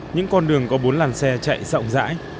những con đường có bốn làn xe chạy rộng rãi